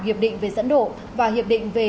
hiệp định về dẫn độ và hiệp định về